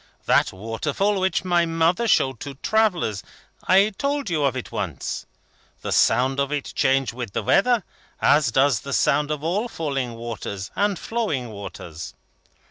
That waterfall which my mother showed to travellers (I told you of it once). The sound of it changed with the weather, as does the sound of all falling waters and flowing waters.